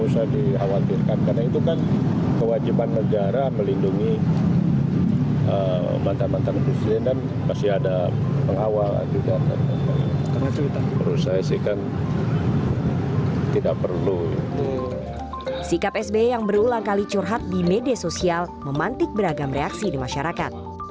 sikap sby yang berulang kali curhat di media sosial memantik beragam reaksi di masyarakat